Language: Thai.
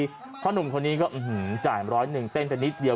เพราะหนุ่มคนนี้ก็จ่ายร้อยหนึ่งเต้นไปนิดเดียว